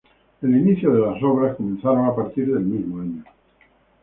El inicio de las obras comenzaron a partir del mismo año.